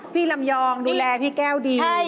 พี่ลำยองดูแลพี่แก้วดีนะครับ